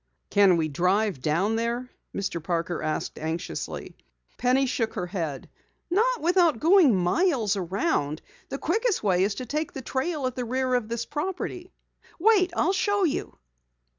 "Can we drive down there?" Mr. Parker asked anxiously. Penny shook her head. "Not without going miles around. The quickest way is to take the trail at the rear of this property. Wait, I'll show you!"